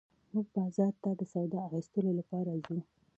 موږ بازار ته د سودا اخيستلو لپاره ځو